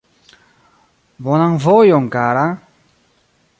Bonan vojon, kara!